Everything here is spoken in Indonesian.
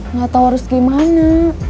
nggak tau harus gimana